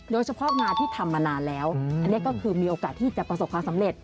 โดยเฉพาะงานที่ทำมานานแล้วอันนี้ก็คือมีโอกาสที่จะประสบความสำเร็จ